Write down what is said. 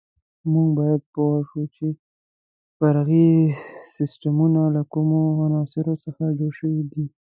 موږ باید پوه شو چې فرعي سیسټمونه له کومو عناصرو څخه جوړ شوي دي.